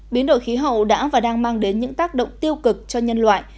biến đổi khí hậu đã và đang mang đến những tác động tiêu cực cho nhân loại